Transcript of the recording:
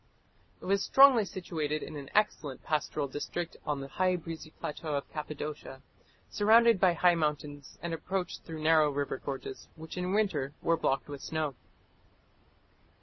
It was strongly situated in an excellent pastoral district on the high, breezy plateau of Cappadocia, surrounded by high mountains, and approached through narrow river gorges, which in winter were blocked with snow.